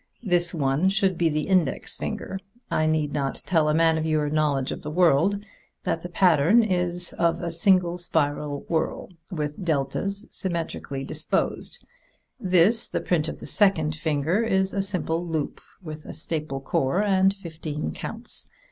"This one should be the index finger. I need not tell a man of your knowledge of the world that the pattern of it is a single spiral whorl, with deltas symmetrically disposed. This, the print of the second finger, is a simple loop, with a staple core and fifteen counts.